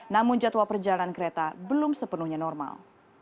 namun jadwal perjalanan kereta belum sepenuhnya normal